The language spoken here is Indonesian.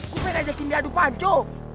gue pengen ajakin diadu pajo